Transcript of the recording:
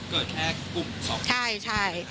ก็คือเกิดแค่กลุ่มสอง